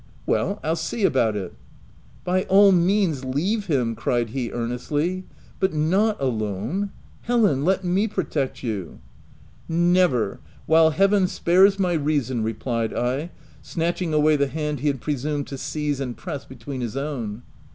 " Well, I'll see about it." " By all means, leave him !" cried he ear nestly, " but not alone ! Helen ! let me protect you !" u Never! — while heaven spares my reason, replied I, snatching away the hand he had pre sumed to seize and press between his own.